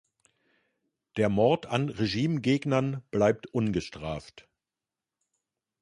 Der Mord an Regimegegnern bleibt ungestraft.